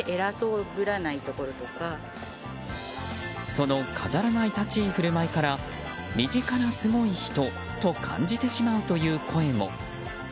その飾らない立ち居振る舞いから身近なすごい人と感じてしまうという声も。